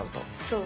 そう。